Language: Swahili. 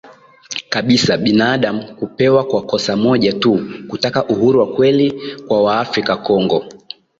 kabisa binaadamu kupewa kwa kosa moja tu kutaka uhuru wa kweli kwa Waafrika Kongo